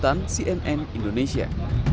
dan cmn indonesia